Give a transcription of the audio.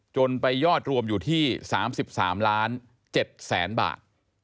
จนไปยอดรวมอยู่ที่๓๓ล้าน๗แสนบาท